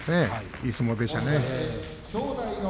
いい相撲でしたね。